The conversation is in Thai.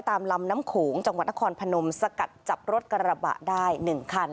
ตามลำน้ำโขงจังหวัดนครพนมสกัดจับรถกระบะได้๑คัน